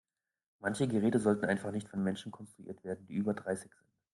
Manche Geräte sollten einfach nicht von Menschen konstruiert werden, die über dreißig sind.